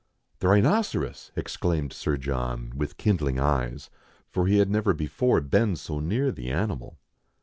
"The rhinoceros!" exclaimed Sir John, with kindling eyes, for he had never before been so near the animal.